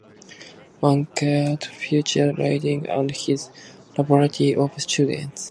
One card features Liebig and his laboratory of students.